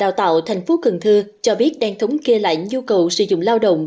đào tạo thành phố cần thơ cho biết đang thống kê lại nhu cầu sử dụng lao động